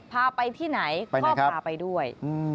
พาไปที่ไหนก็พาไปด้วย